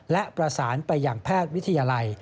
และประสานไปอย่างแพทย์วิทยาลัย